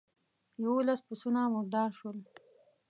يوولس پسونه مردار شول.